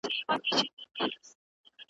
یکه زار سیوری د ولو ږغ راځي له کوهستانه `